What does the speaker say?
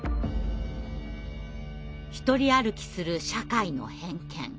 独り歩きする社会の偏見。